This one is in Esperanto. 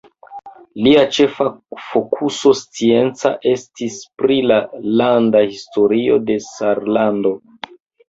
Lia ĉefa fokuso scienca estis pri la landa historio de Sarlando.